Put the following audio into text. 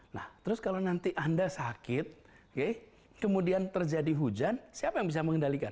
nah terus kalau nanti anda sakit kemudian terjadi hujan siapa yang bisa mengendalikan